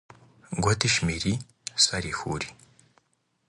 ګوتي شمېري، سر يې ښوري